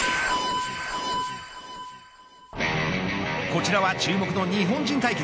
こちらは注目の日本人対決。